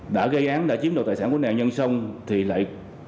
đã gây án đã chiếm đoạt tài sản của nạn nhân xong thì lại